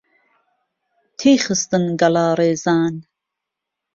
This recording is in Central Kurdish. تێی خستن گەڵا ڕێزان